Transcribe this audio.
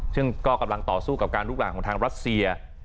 ซึ่งก็กำลังต่อสู้กับการลูกหลานของทางรัสเซีย